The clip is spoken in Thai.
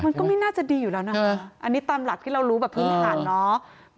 มันก็ไม่น่าจะดีอยู่แล้วนะอันนี้ตามหลักที่เรารู้แบบพื้นฐานเนาะ